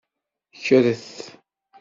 Kkret.